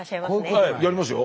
はいやりますよ。